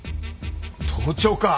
盗聴か！